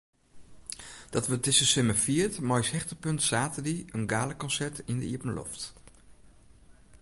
Dat wurdt dizze simmer fierd mei as hichtepunt saterdei in galakonsert yn de iepenloft.